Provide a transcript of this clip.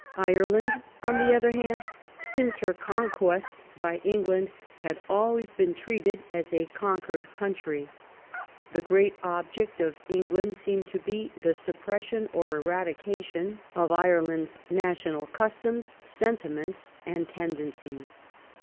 Ireland, on the other hand, since her conquest by England had always been treated as a conquered country. The great object of England seemed to be the suppression or eradication of VOL. 11. o 194 THE REIGN OF QUEEN ANNE. ch. xxx. Ireland's national customs, sentiments, and tendencies.